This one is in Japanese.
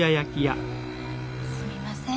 すみません。